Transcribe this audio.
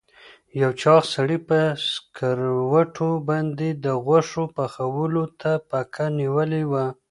یو چاغ سړي په سکروټو باندې د غوښو پخولو ته پکه نیولې وه.